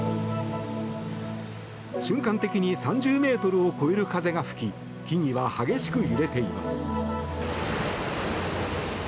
瞬間的に３０ｍを超える風が吹き木々は激しく揺れています。